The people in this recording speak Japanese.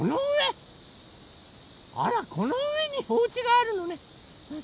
あらこのうえにおうちがあるのね。